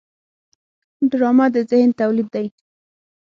ډرامه د ذهن تولید دی